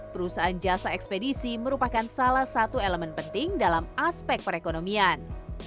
perusahaan jasa ekspedisi merupakan salah satu elemen penting dalam aspek perekonomian